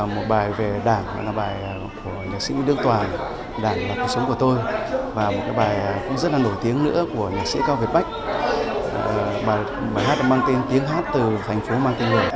một bài về đảng là bài của nhạc sĩ đức toàn đảng là cuộc sống của tôi và một cái bài cũng rất là nổi tiếng nữa của nhạc sĩ cao việt bách mà bài hát đã mang tên tiếng hát từ thành phố mang tên người